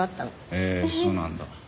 へえそうなんだ。